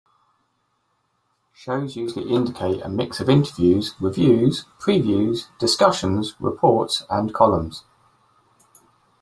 Shows usually include a mix of interviews, reviews, previews, discussions, reports and columns.